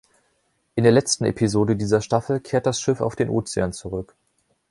In der letzten Episode dieser Staffel kehrt das Schiff auf den Ozean zurück.